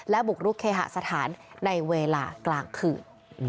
บุกรุกเคหสถานในเวลากลางคืน